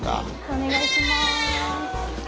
お願いします。